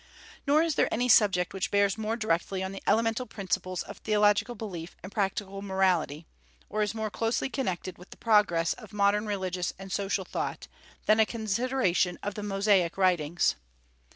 Nor is there any subject which bears more directly on the elemental principles of theological belief and practical morality, or is more closely connected with the progress of modern religious and social thought, than a consideration of the Mosaic writings.